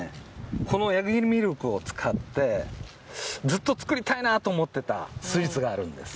このヤギミルクを使ってずっと作りたいなと思ってたスイーツがあるんです